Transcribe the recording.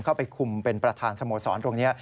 เข้าไปคุมเป็นประธานสโมสรตรงนี้